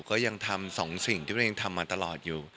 ก็ยังทำ๒สิ่งที่ตัวเองทำมาตลอดอยู่